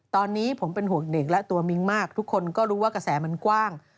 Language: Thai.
ตอนนี้ผมเป็นห่วงเด็กและตัวมิ้งมากทุกคนก็รู้ว่ากระแสมันกว้าง